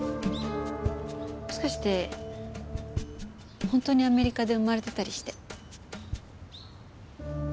もしかして本当にアメリカで生まれてたりして。